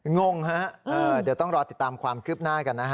งงฮะเดี๋ยวต้องรอติดตามความคืบหน้ากันนะฮะ